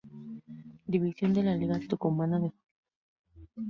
División de la Liga Tucumana de Fútbol.